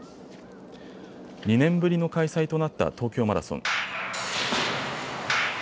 ２年ぶりの開催となった東京マラソン。